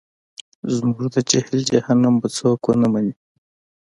زموږ د جهل جهنم به څوک ونه مني.